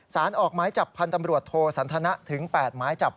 สารออกหมายจับพันธ์ตำรวจโทสันทนะถึง๘หมายจับ